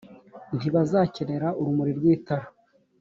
ntibazakenera urumuri rw itara